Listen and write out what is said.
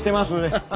ハハハハ。